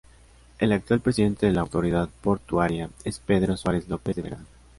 El actual presidente de la Autoridad Portuaria es Pedro Suárez López de Vergara.